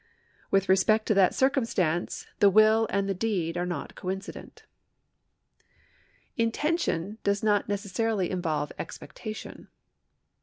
With respect to that circumstance the will and the deed are not coincident. Intention does not necessarily involve expectation.